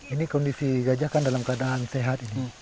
ini kondisi gajah kan dalam keadaan sehat